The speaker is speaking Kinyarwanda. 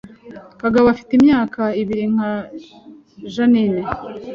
Kagabo afite imyaka ibiri nka Jeaninne